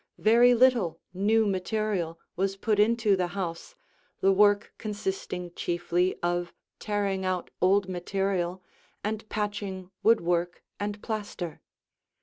Very little new material was put into the house, the work consisting chiefly of tearing out old material and patching woodwork and plaster.